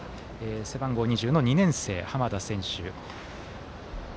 背番号２０の２年生、濱田選手。